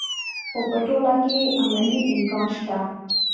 خو په ټوله کې یې عملي امکان شته.